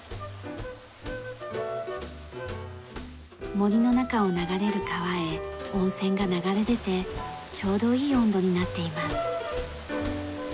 森の中を流れる川へ温泉が流れ出てちょうどいい温度になっています。